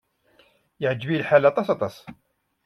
Yeɛjeb-iyi lḥal aṭas, aṭas.